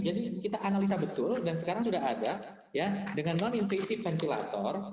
jadi kita analisa betul dan sekarang sudah ada dengan non invasive ventilator